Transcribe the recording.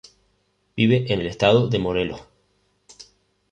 Vive en el Estado de Morelos.